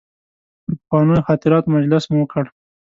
پر پخوانیو خاطراتو مجلس مو وکړ.